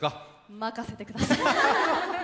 任せてください。